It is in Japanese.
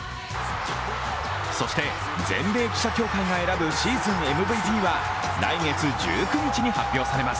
そして、全米記者協会が選ぶシーズンＭＶＰは来月１９日に発表されます。